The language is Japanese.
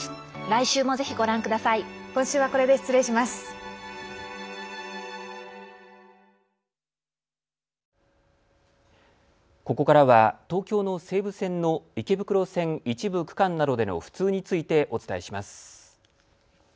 ここからは東京の西武線の池袋線一部区間などでの不通についてお伝えします。